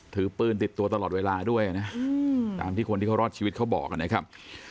ถือปืนติดตัวตลอดเวลาด้วยนะตามที่คนที่เขารอดชีวิตเขาบอกนะครับ